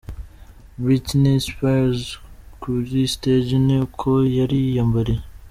Britney Spears kuri stage ni uko yari yiyambariye.